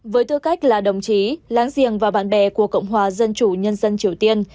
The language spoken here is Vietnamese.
với tư cách là đồng chí láng giềng và bạn bè của cộng hòa dân chủ nhân dân triều tiên